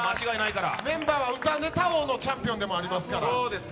メンバーは歌ネタ王のチャンピオンでもありますから。